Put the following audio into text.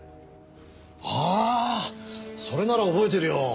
ああそれなら覚えてるよ。